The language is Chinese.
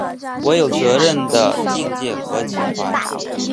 我有责任的境界和情怀